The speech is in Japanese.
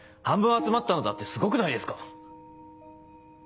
半分集まったのだってすごくないですか？